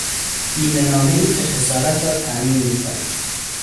بیمهنامهای که خسارت را تامین میکند